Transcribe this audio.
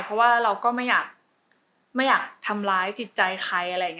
เพราะเราไม่อยากทำลายจิตใจใคร